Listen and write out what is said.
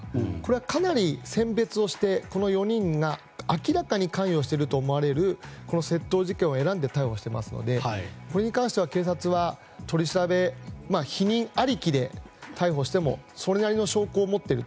かなり選別をして、この４人が明らかに関与していると思われる窃盗事件を選んで逮捕していますのでこれに関しては警察は取り調べ否認ありきで逮捕してもそれなりの証拠を持っていると。